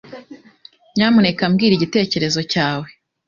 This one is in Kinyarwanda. Nyamuneka mbwira igitekerezo cyawe.